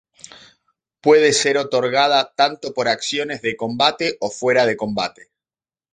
Puede ser otorgada tanto por acciones de combate o fuera de combate.